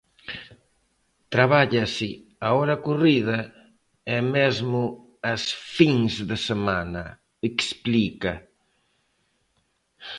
"Trabállase a hora corrida e mesmo as fins de semana", explica.